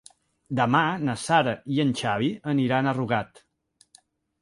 Demà na Sara i en Xavi aniran a Rugat.